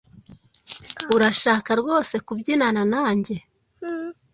Urashaka rwose kubyinana nanjye?